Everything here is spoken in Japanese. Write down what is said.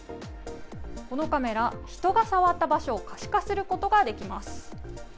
このカメラ人が触った場所を可視化することができます。